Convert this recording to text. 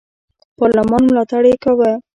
پارلمان ملاتړ یې کاوه.